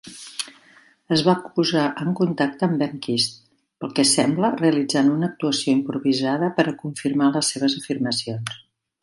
Es va posar en contacte amb Wernquist, pel que sembla realitzant una actuació improvisada per a confirmar les seves afirmacions.